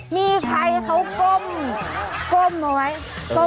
มีใครเขาก้มเอาไว้